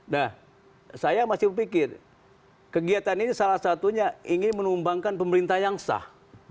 nah saya masih berpikir kegiatan ini salah satunya ingin menumbangkan pemerintah yang sah